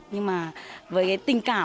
nhưng mà với tình cảm của nhân dân này